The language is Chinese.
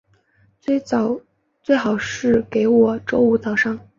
最好是给我在星期五早上